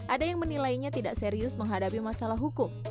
ada yang menilainya tidak serius menghadapi masalah hukum